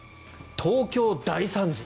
東京大惨事